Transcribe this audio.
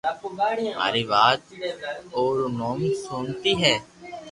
ماري مات ارو نوم سونتي ھي